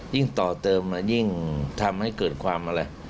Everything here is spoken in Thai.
ต่อเติมยิ่งทำให้เกิดความอะไร